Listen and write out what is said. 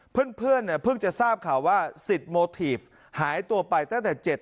เพื่อนเนี่ยเพิ่งจะทราบข่าวว่าสิทธิ์โมทีฟหายตัวไปตั้งแต่๗๐